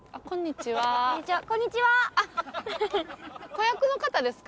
子役の方ですか？